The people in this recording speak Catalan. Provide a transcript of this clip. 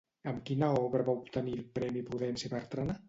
Amb quina obra va obtenir el Premi Prudenci Bertrana?